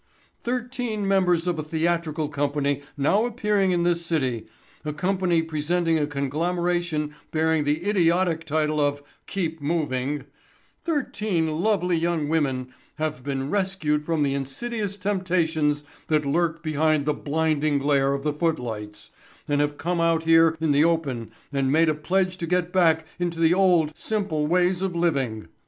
Thirteen members of a theatrical company now appearing in this city—a company presenting a conglomeration bearing the idiotic title of 'Keep Moving'—thirteen lovely young women have been rescued from the insidious temptations that lurk behind the blinding glare of the footlights and have come out here in the open and made a pledge to get back into the old, simple ways of living.